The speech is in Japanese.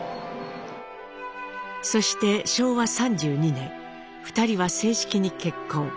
そして昭和３２年２人は正式に結婚。